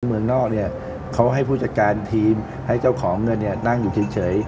เมืองนอกเนี่ยเขาให้ผู้จัดการทีมให้เจ้าของเงินเนี่ยนั่งอยู่เฉย